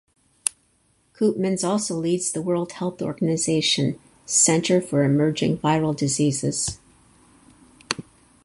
Koopmans also leads the World Health Organization centre for Emerging Viral Diseases.